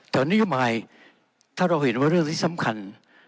แต่นโยบายถ้าเราเห็นว่าเรื่องนี้สำคัญ